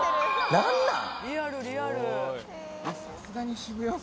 何なん？